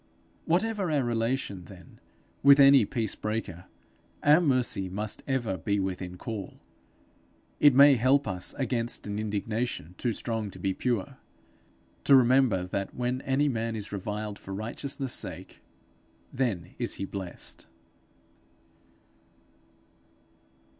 Whatever our relation, then, with any peace breaker, our mercy must ever be within call; and it may help us against an indignation too strong to be pure, to remember that when any man is reviled for righteousness sake, then is he blessed.